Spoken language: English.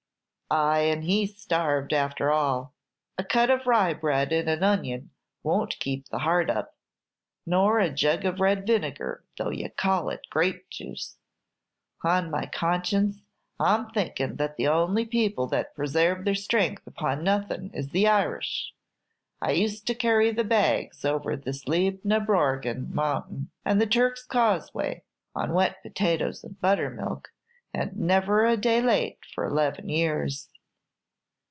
"Ay, and he is starved after all. A cut of rye bread and an onion won't keep the heart up, nor a jug of red vinegar, though ye call it grape juice. On my conscience, I 'm thinkin' that the only people that preserves their strength upon nothin' is the Irish. I used to carry the bags over Slieb na boregan mountain and the Turk's Causeway on wet potatoes and buttermilk, and never a day late for eleven years."